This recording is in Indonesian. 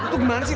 itu gimana sih